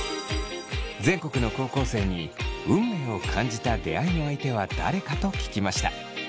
全国の高校生に運命を感じた出会いの相手は誰かと聞きました。